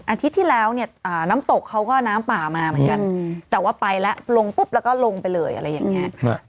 อาทิตย์ที่แล้วเนี่ยน้ำตกเขาก็น้ำป่ามาเหมือนกันแต่ว่าไปแล้วลงปุ๊บแล้วก็ลงไปเลยอะไรอย่างนี้